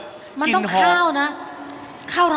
มันต้องข้าวนะ